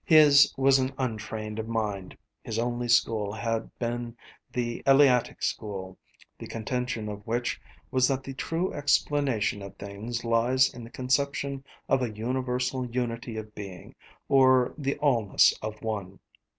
His was an untrained mind. His only school had been the Eleatic School, the contention of which was that the true explanation of things lies in the conception of a universal unity of being, or the All ness of One.